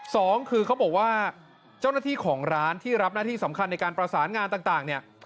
สองคือเขาบอกว่าเจ้าหน้าที่ของร้านที่รับหน้าที่สำคัญในการประสานงานต่างเนี่ย